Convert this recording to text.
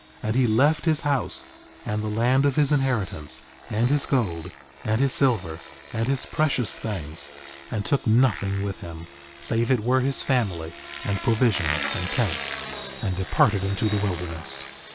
And he left his house, and the land of his inheritance, and his gold, and his silver, and his precious things, and took nothing with him, save it were his family, and provisions, and tents, and departed into the wilderness.